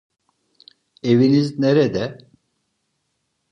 Eviniz nerede?